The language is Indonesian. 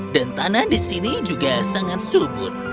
dan tanah di sini juga sangat subur